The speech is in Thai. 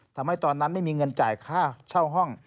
ทำให้ตอนนั้นไม่มีเงินจ่ายค่าเช่าห้อง